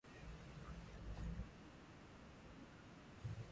Chanzo cha habari hii ni gazeti la The East African, Kenya